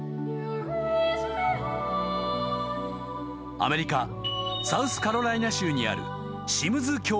［アメリカサウスカロライナ州にある］